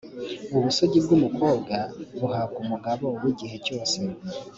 ubusugi bwumukobwa buhabwa umugabo wigihe cyose,